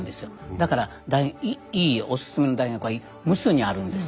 だからいいおすすめの大学は無数にあるんです。